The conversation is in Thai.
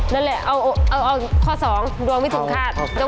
นั่นแหละเอาข้อสองดวงไม่ถึงฆาตต้องตอบ